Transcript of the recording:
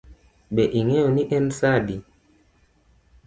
Be ing'eyo ni en saa adi?